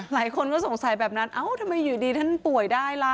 หลายคนก็สงสัยแบบนั้นเอ้าทำไมอยู่ดีท่านป่วยได้ล่ะ